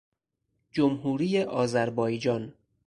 جمهوری آذربایجان